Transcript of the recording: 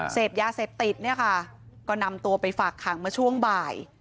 เสพยาเสพติดเนี่ยค่ะก็นำตัวไปฝากขังเมื่อช่วงบ่าย